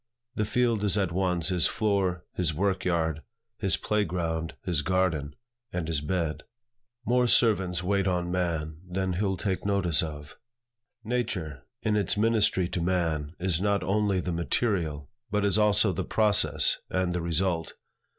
The field is at once his floor, his work yard, his play ground, his garden, and his bed. "More servants wait on man Than he'll take notice of." Nature, in its ministry to man, is not only the material, but is also the process and the result.